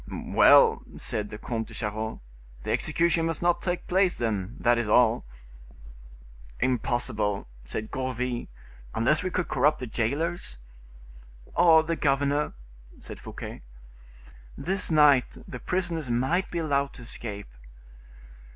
"Well!" said the Comte de Charost, "the execution must not take place, then; that is all." "Impossible," said Gourville, "unless we could corrupt the jailers." "Or the governor," said Fouquet. "This night the prisoners might be allowed to escape."